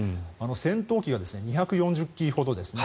戦闘機が２４０機ほどですね。